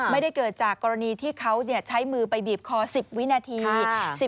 ไม่ได้เกิดจากกรณีที่เขาใช้มือไปบีบคอ๑๐วินาที